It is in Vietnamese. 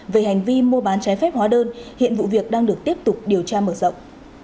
về hành vi mua bán trái phép hóa đơn hiện vụ việc đang được tiếp tục điều tra mở rộng